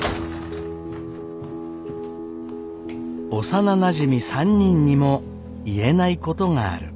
幼なじみ３人にも言えないことがある。